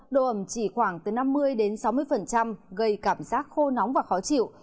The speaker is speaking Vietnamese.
độ ẩm chỉ khoảng từ năm mươi sáu mươi gây cảm giác khô nóng và khó chịu